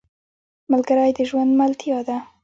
ملګری د ژوند ملتیا ده